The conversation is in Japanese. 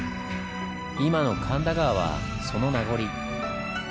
今の神田川はその名残。